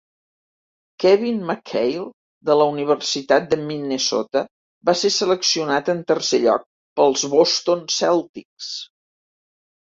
Kevin McHale, de la Universitat de Minnesota, va ser seleccionat en tercer lloc pels Boston Celtics.